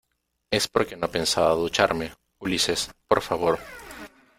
es porque no pensaba ducharme. Ulises, por favor ,